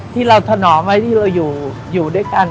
ที่เราถนอมไว้ที่เราอยู่ด้วยกัน